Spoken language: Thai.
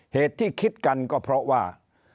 เหตุที่คิดกันก็เพราะว่า